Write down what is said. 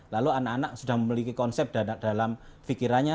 lalu anak anak sudah memiliki konsep dalam pikirannya